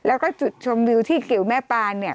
แล้วก็จุดชมวิวที่กิวแม่ปานเนี่ย